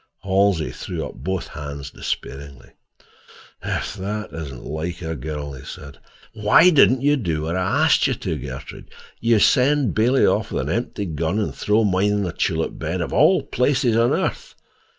Halsey threw up both hands despairingly. "If that isn't like a girl!" he said. "Why didn't you do what I asked you to, Gertrude? You send Bailey off with an empty gun, and throw mine in a tulip bed, of all places on earth!